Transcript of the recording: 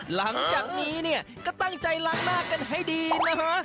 หลังจากนี้เนี่ยก็ตั้งใจล้างหน้ากันให้ดีนะฮะ